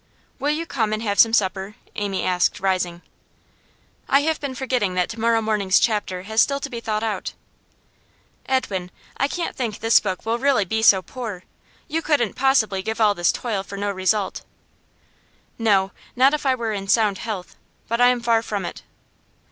'Will you come and have some supper?' Amy asked, rising. 'I have been forgetting that to morrow morning's chapter has still to be thought out.' 'Edwin, I can't think this book will really be so poor. You couldn't possibly give all this toil for no result.' 'No; not if I were in sound health. But I am far from it.